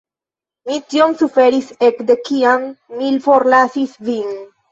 Mi tiom suferis ekde kiam mi forlasis vin.